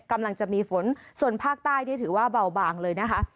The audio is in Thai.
กำลังจะมีฝนส่วนภาคใต้นี่ถือว่าเบาบางเลยนะคะ